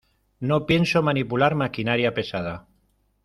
no pienso manipular maquinaria pesada.